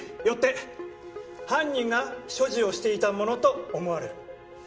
よって犯人が所持をしていたものと思われる。